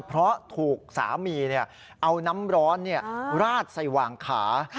เพราะถูกสามีเอาน้ำร้อนราดใส่หว่างขา